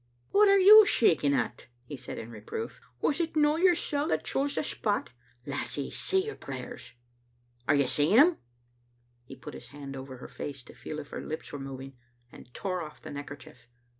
"What are you shaking at?" he said in reproof. " Was it no yoursel' that chose the spot? Lassie, say your prayers. Are you saying them?" He put his hand over her face, to feel if her lips were moving, and tore ofif the neckerchief.